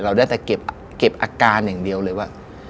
ได้แต่เก็บอาการอย่างเดียวเลยว่า